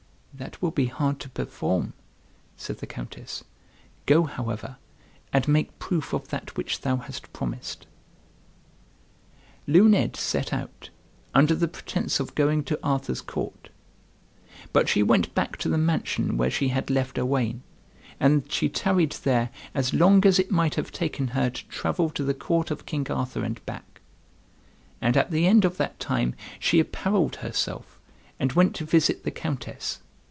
"That will be hard to perform," said the Countess. "Go, however, and make proof of that which thou hast promised," Luned set out under the pretence of going to Arthur's court; but she went back to the mansion where she had left Owain, and she tarried there as long as it might have taken her to travel to the court of King Arthur and back. And at the end of that time she apparelled herself, and went to visit the Countess.